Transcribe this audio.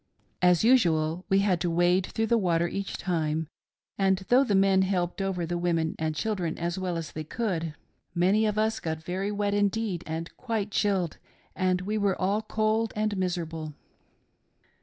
As usual we had to wade through the water each time, and though the men helped over the women and children as well as they could, many of us 'got very wet indeed, and quite chilled, and we were all cold and miserable.